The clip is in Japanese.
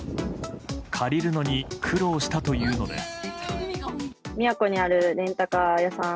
借りるのに苦労したというのです。